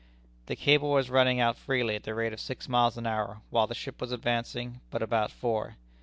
The cable was running out freely at the rate of six miles an hour, while the ship was advancing but about four.